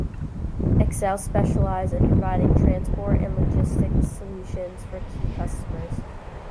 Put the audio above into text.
Exel specialized in providing transport and logistics solutions for key customers.